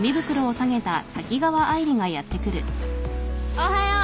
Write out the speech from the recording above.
・おはよう。